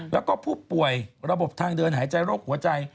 แล้วก็ผู้ป่วยระบบทางเดินหายใจโรคหัวใจ